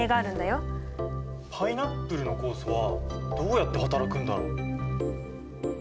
パイナップルの酵素はどうやってはたらくんだろう？